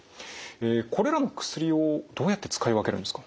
えこれらの薬をどうやって使い分けるんですか？